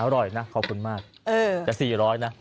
อร่อยนะขอบคุณมากแต่๔๐๐นะ